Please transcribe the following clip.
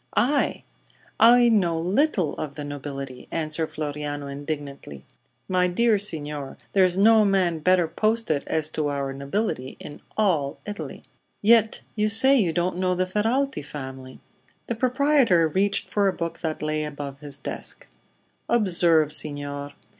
"I! I know little of the nobility!" answered Floriano, indignantly. "My dear signor, there is no man better posted as to our nobility in all Italy." "Yet you say you don't know the Ferralti family." The proprietor reached for a book that lay above his desk. "Observe, signor.